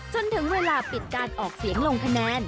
จนถึงเวลาปิดการออกเสียงลงคะแนน